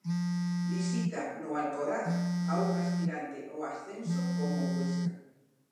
Visita no Alcoraz a un aspirante ao ascenso como o Huesca.